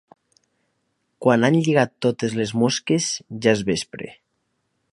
Quan han lligat totes les mosques, ja és vespre.